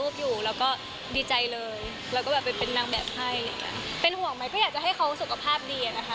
เป็นห่วงไหมก็อยากจะให้เขาสุขภาพดีอะนะคะ